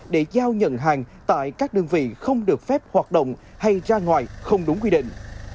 để giao nhận hàng tại các đơn vị không được phép hoạt động hay ra ngoài không đúng quy định